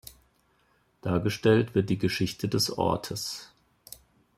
Dargestellt wird die Geschichte des Ortes.